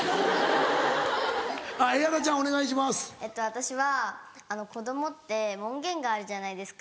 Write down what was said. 私は子供って門限があるじゃないですか。